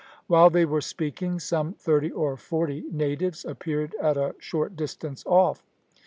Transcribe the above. While they were speaking, some thirty or forty natives appeared at a short distance off.